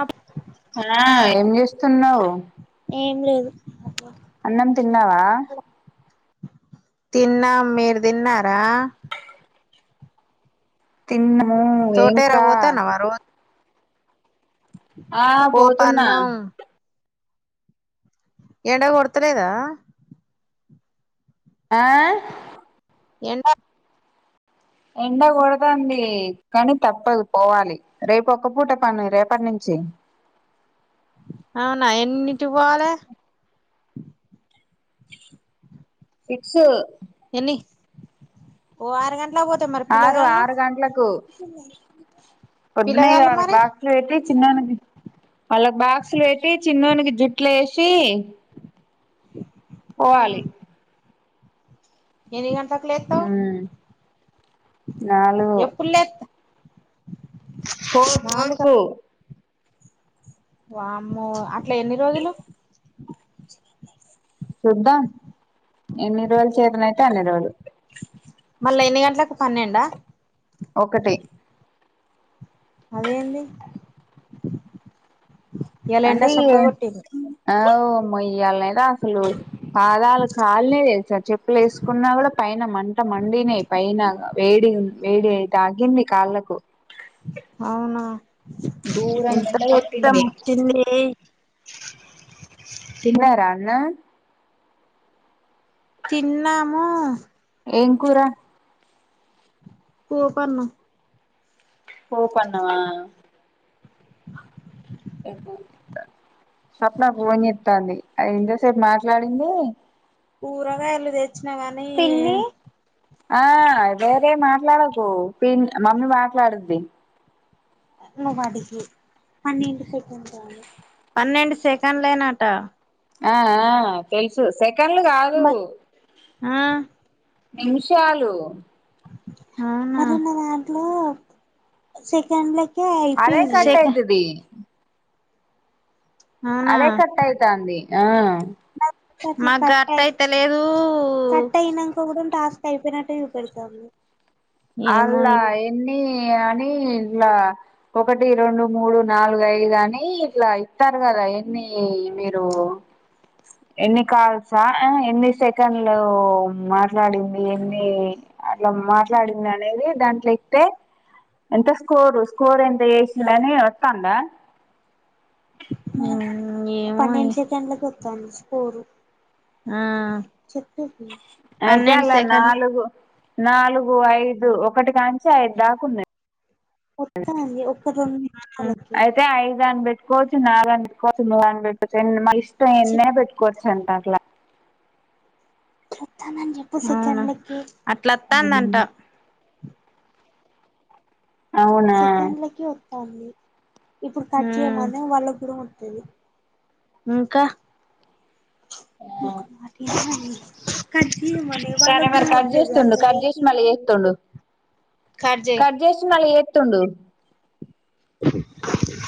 Up hello ఏం తిన్నావా ఏం లేదు అన్నం తిన్నావా తిన్నాం మీరు తిన్నారా తిన్నము ఏం తోటేర క పోతాన్నవా రోజు ఆ పోతున్నా పోపన్నం ఎండ కొడతలేదా ఆ ఎండా ఎండకూడద అండి కానీ తప్పదు పోవాలి రేపు ఒక్క పూట పని రేపటి నుంచి అవునా ఎన్నిటికి పోవాలే ఇక్స్ ఎన్ని ఓ ఆరగన్ ఆరు ఆరు గంటలకు పొద్దునయి పిల్లగాళ్ళు వాళ్ళకి మరి బాక్స్లు పెట్టి చిన్నోనికి వాళ్ళకి బాక్స్లు వెట్టి చిన్నో నికి జుట్లు వేసి పోవాలి ఎన్ని గంటలక్ ఉ నాలుగు ఎప్పుడు లేత్ ఫో నాలుగ ఫోరుకు వామ్మో అట్ ఇట్లా ఎన్ని రోజులు చూద్దాం ఎన్ని రోజులు చేతన అయితే అన్ని రోజులు మళ్ళా ఎన్ని గంటలకు పన్నెండా ఒక్కటి అదేేంది అంటే ఆ వ్ ఇయ్యాలెండ అసలు పాదాలు కాలినాయి తెలుసా చెప్పులు వేసుకున్నా కూడా పైన మంట మండినాయి పైన వేడి వేడి అయితాకింది కాళ్ళకు అవునా దూరంగా ఎంత ఎండ కష్టం వచ్చింది తిన్నార అన్న తిన్నాము ఏం కూరా కూ పన్ను పోపు అన్నమా స్వప్న ఫోన్ చెత్తంది అది ఎంతసేపు మాట్లాడింది కూరగాయలు తెచ్చినాగానీ ఆ వేరే మాట్లాడకు పి మమ్మీ మాట్లాడుధీ. నువ్ అడుగు పన్నెండు సెకండ్స్ ఆ పన్నెండు సెకండ్లేనాట ఆ ఆ తెలుసు సేక్ కన్లూ కాదు ఆ నిమిషాలు అవునా దాంట్లో సెకండ్ లే అదే కట్ అయితది అవునా అదే కట్ అయితాంది ఆ అట్టలేదు కట్ అయినాక కూడా టాస్క్ అయిపోయినట్టు చూపెడతుంది అలా ఎన్ని అని ఇట్లా ఒకటి రెండు మూడు నాలుగు ఐదు అని ఇట్లా ఇస్తారు కదా ఎన్ని మీరు ఎన్ని కాల్స్ ఆ ఎన్ని సెకండ్లు మాట్లాడింది ఎన్ని అట్లా మాట్లాడి అనేది దాంట్లో ఇతే ఎంత స్కోరు స్కోర్ ఎంత చేసిందని వస్తాంద ఆ ఏమో పన్నెండు సెకండ్ల కొత్తంది స్కోరు ఆ చెప్పింది అయితే అలా నాలుగు నాలుగు ఐదు ఒకటి కాంచి ఐదు దాకుంది ఒక్కా ఒక్కతుంది అయితే ఐదన్ బెట్ చ [unintelligible] అట్ట ఎన్ని చెప్ అయిన పెట్టుకోచ్చు అంట అట్లా చెత న చెప్పు సత అకి [unintelligible] అట్లత్తాందంట అవునా చికెన్లోకి ఇప్పుడు కట్ ఆ చేయగానే వాళ్ళకి కూడా వత్తాది ఇంకా సరే మరి కట్ [inaudible] చేస్తుండు కట్ చేసి మళ్ళీ చేస్తుండు కట్ చేసి మళ్ళీ చేస్తుండు [unintelligible] [inaudible]